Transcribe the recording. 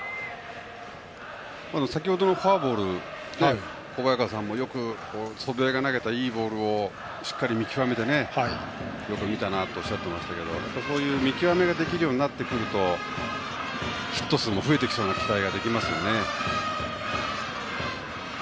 先ほどのフォアボール小早川さんも祖父江が投げた、いいボールをしっかり見極めてよく見たなとおっしゃっていましたけどそういう見極めができるようになるとヒット数も増えてきそうな期待ができますよね。